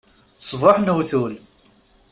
Ṣṣbuḥ n uwtul!